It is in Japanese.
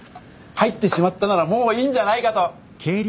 入ってしまったならもういいんじゃないかと。